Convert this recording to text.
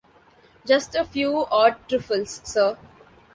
Just a few odd trifles, sir.